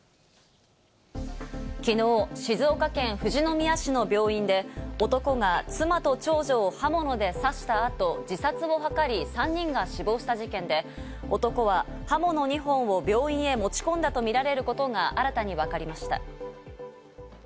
きのう、静岡県富士宮市の病院で、男が妻と長女を刃物で刺した後、自殺を図り、３人が死亡した事件で、男は刃物２本を病院へ持ち込んだとみられることが新たにわかりました。